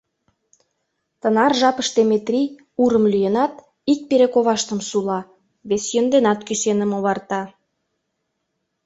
Тынар жапыште Метрий, урым лӱенат, ик пире коваштым сула, вес йӧн денат кӱсеным оварта.